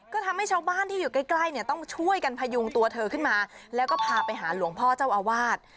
ก็ทำให้ชาวบ้านที่อยู่ใกล้เนี่ยต้องช่วยกันพยุงตัวเธอขึ้นมาแล้วก็พาไปหาหลวงพ่อเจ้าอาวาส